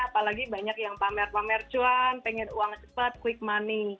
apalagi banyak yang pamer pamer cuan pengen uang cepat quick money